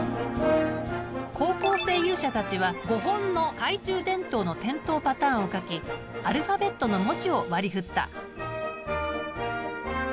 高校生勇者たちは５本の懐中電灯の点灯パターンを描きアルファベットの文字を割り振った。